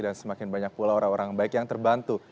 dan semakin banyak pula orang orang baik yang terbantu